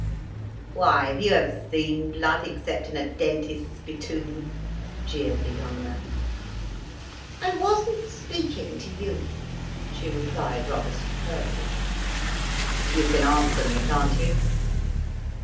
"Why, have you ever seen blood, except in a dentist's spittoon?" jeered the young man. "I wasn't speaking to you," she replied rather superbly. "You can answer me, can't you?"